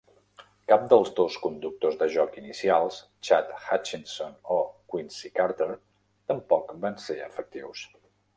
Cap dels dos conductors de joc inicials, Chad Hutchinson o Quincy Carter, tampoc van ser efectius.